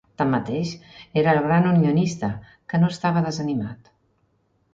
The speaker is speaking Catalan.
Tanmateix, era el "gran unionista" que no estava desanimat.